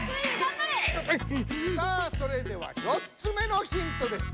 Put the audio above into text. さあそれでは４つ目のヒントです。